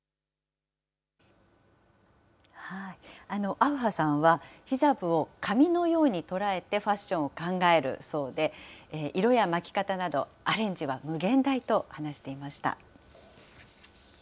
アウファさんは、ヒジャブを髪のように捉えてファッションを考えるそうで、色や巻き方など、アレンジは無限大と話していました。